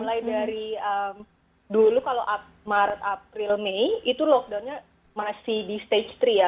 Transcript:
mulai dari dulu kalau maret april mei itu lockdownnya masih di stage tiga ya